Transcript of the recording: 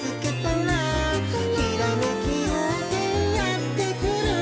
「ひらめきようせいやってくる」